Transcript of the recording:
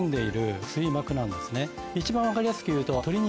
一番分かりやすく言うと。